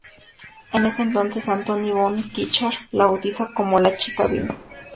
En ese entonces Antoni Von Kirchner la bautiza como "la chica Vim".